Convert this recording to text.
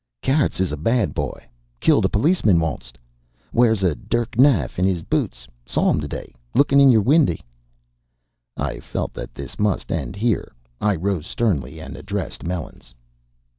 "Carrots is a bad boy. Killed a policeman onct. Wears a dirk knife in his boots, saw him to day looking in your windy." I felt that this must end here. I rose sternly and addressed Melons.